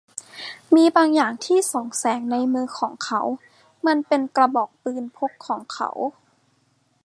มีบางอย่างที่ส่องแสงในมือของเขา มันเป็นกระบอกปืนพกของเขา